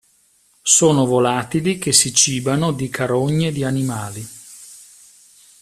Sono volatili che si cibano di carogne di animali.